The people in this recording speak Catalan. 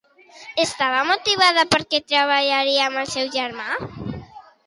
Estava motivada perquè treballaria amb el seu germà?